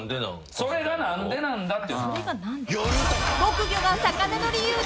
それが何でなんだって。